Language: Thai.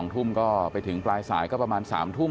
ทุ่มก็ไปถึงปลายสายก็ประมาณ๓ทุ่ม